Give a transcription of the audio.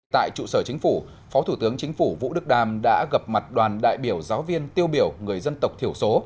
tại trụ sở chính phủ phó thủ tướng chính phủ vũ đức đam đã gặp mặt đoàn đại biểu giáo viên tiêu biểu người dân tộc thiểu số